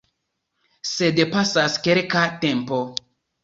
Sed pasas kelka tempo.